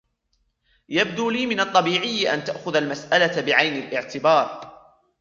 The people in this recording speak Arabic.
يبدو لي من الطبيعي أن تأخذ المسألة بعين الإعتبار